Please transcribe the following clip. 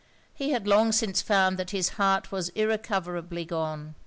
He had long since found that his heart was irrecoverably gone.